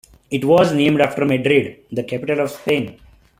It was named after Madrid, the capital of Spain.